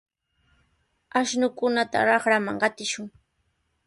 Ashnukunata raqraman qatishun.